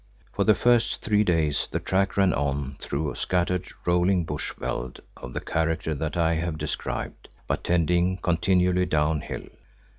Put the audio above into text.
For the first three days the track ran on through scattered, rolling bush veld of the character that I have described, but tending continually down hill.